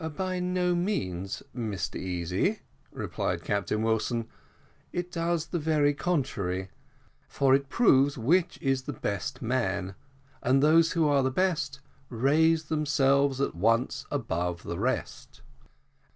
"By no means, Mr Easy," replied Captain Wilson, "it does the very contrary, for it proves which is the best man, and those who are the best raise themselves at once above the rest."